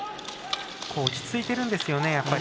落ち着いてるんですよね。